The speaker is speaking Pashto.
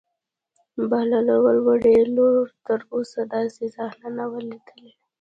د بهلول وړې لور تر اوسه داسې صحنه نه وه لیدلې.